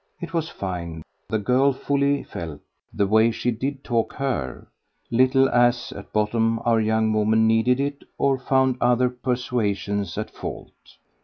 It was fine, the girl fully felt, the way she did talk HER, little as, at bottom, our young woman needed it or found other persuasions at fault.